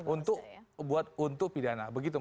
untuk buat untuk pidana begitu